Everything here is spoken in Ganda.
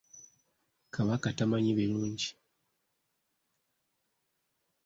Kabaka tamanyi birungi.